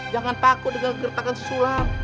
jangan takut dengan geretakan susulam